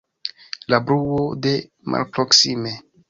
La bruo de malproksime.